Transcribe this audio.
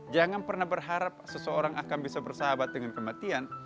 jangan pernah berharap seseorang akan bisa bersahabat dengan kematian